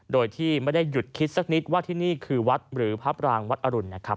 โดยที่ไม่ได้หยุดคิดสักนิดว่าที่นี่คือวัดหรือพระปรางวัดอรุณนะครับ